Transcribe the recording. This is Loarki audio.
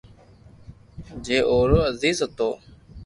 جي اوُ رو عزيز ھتو